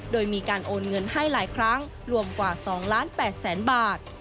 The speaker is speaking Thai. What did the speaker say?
โดยมีการโอนเงินให้หลายครั้งรวมกว่า๒ล้าน๘แสนบาท